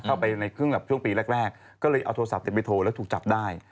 เข้าไปในช่วงปีแรกก็เลยเอาโทรศัพท์เตะไปโทรแล้วถูกจับได้